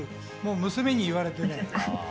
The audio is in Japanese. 娘に言われて。